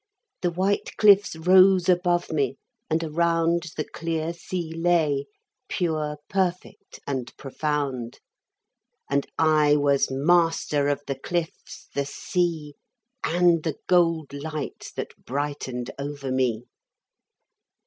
The white cliffs rose above me, and around The clear sea lay, pure, perfect and profound; And I was master of the cliffs, the sea, And the gold light that brightened over me.